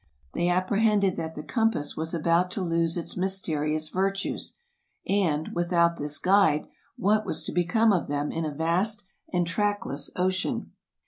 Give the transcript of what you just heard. They apprehended that the compass was about to lose its mysterious virtues, and, without this guide, what was to become of them in a vast and trackless ocean